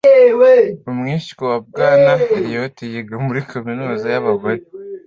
Umwishywa wa Bwana Eliot yiga muri kaminuza yabagore